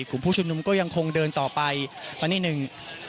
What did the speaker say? กลุ่มผู้ชุมนุมก็ยังคงเดินต่อไปมานิดนึง